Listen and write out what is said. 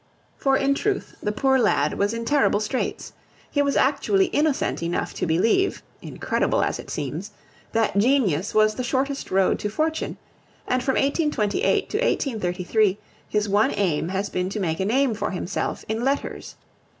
For, in truth, the poor lad was in terrible straits; he was actually innocent enough to believe incredible as it seems that genius was the shortest road to fortune, and from 1828 to 1833 his one aim has been to make a name for himself in letters.